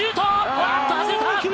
あっと外れた。